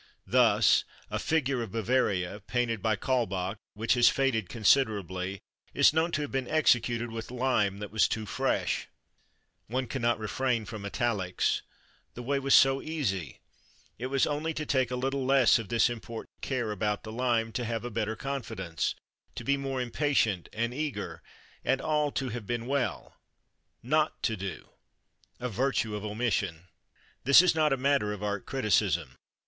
_Thus, a figure of Bavaria, painted by Kaulbach, which has faded considerably, is known to have been executed with lime that was too fresh_." One cannot refrain from italics: the way was so easy; it was only to take a little less of this important care about the lime, to have a better confidence, to be more impatient and eager, and all had been well: not to do a virtue of omission. This is not a matter of art criticism.